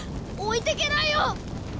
置いてけないよ！